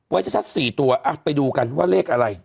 ชัด๔ตัวไปดูกันว่าเลขอะไร